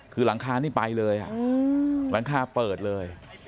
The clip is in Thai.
คือหลังคานี่ไปเลยหลังคาเปิดเลย